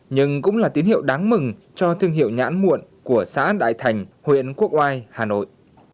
nhưng cũng là tín hiệu đáng mừng cho thương hiệu nhãn m muộn của xã đại thành huyện quốc oai hà nội